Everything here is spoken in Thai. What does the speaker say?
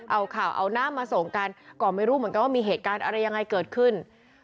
เอาข่าวเอาน้ำมาส่งกันก็ไม่รู้เหมือนกันว่ามีเหตุการณ์อะไรยังไงเกิดขึ้น